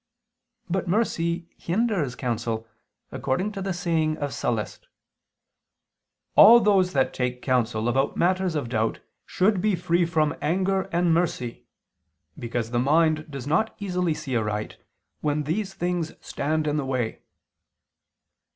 But mercy hinders counsel, according to the saying of Sallust (Catilin.): "All those that take counsel about matters of doubt, should be free from ... anger ... and mercy, because the mind does not easily see aright, when these things stand in the way."